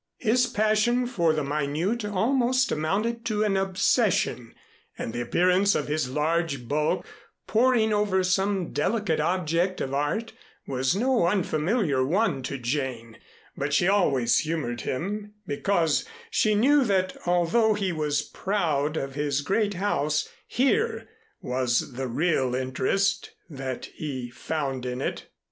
His passion for the minute almost amounted to an obsession, and the appearance of his large bulk poring over some delicate object of art was no unfamiliar one to Jane, but she always humored him, because she knew that, although he was proud of his great house, here was the real interest that he found in it.